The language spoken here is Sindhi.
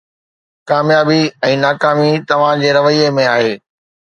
ڪاميابي ۽ ناڪامي توهان جي رويي ۾ آهي